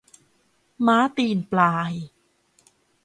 ม้าตีนปลาย